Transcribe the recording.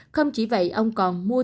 không chỉ vậy ông còn mua thịt